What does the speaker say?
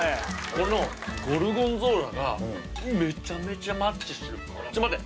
このゴルゴンゾーラがめちゃめちゃマッチしてるちょっと待って